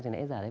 trước nãy giờ